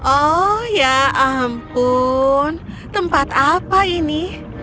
oh ya ampun tempat apa ini